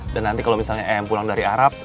dan nanti kalau misalnya em pulang dari arab